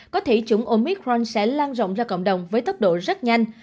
có thể chủng omicron sẽ lan rộng ra cộng đồng với tốc độ rất nhanh